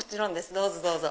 どうぞどうぞ。